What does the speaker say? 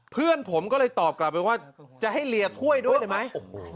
เพื่อนผมก็เลยตอบกลับไปว่าจะให้เลียถ้วยด้วยได้ไหม